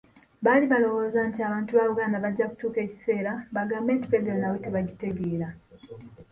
Baali balowooza nti abantu ba Buganda bajja kutuuka ekiseera bagambe nti Federo nabo tebagitegeera.